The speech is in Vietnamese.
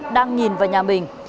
đang nhìn vào nhà mình